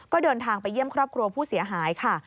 ก็เดินทางไปเยี่ยมครอบครัวผู้เสียหายค่ะ